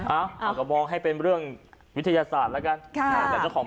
เอาก็มองให้เป็นเรื่องวิทยาศาสตร์แล้วกัน